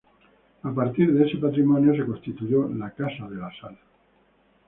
A partir de ese patrimonio se constituyó La Casa de la Sal.